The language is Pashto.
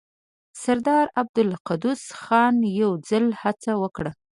سردار عبدالقدوس خان يو ځل هڅه وکړه.